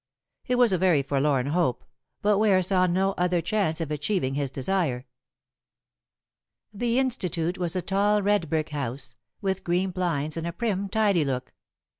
It was a very forlorn hope, but Ware saw no other chance of achieving his desire. The Institute was a tall red brick house, with green blinds and a prim, tidy look.